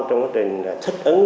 trong quá trình thích ứng